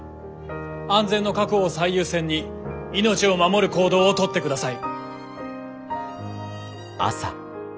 安全の確保を最優先に命を守る行動を取ってください。